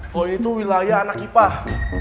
kalo ini tuh wilayah anak ipah